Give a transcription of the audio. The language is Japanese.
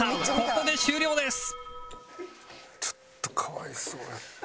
ここで終了です